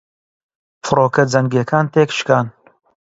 فڕۆکە جەنگیەکان تێکشکان